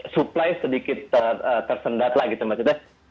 supply sedikit tersendat lagi teman teman